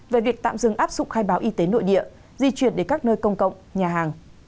về việc tạm dừng áp dụng khai báo y tế nội địa di chuyển đến các nơi công cộng nhà hàng